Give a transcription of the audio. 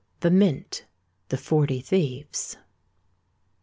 THE MINT.—THE FORTY THIEVES.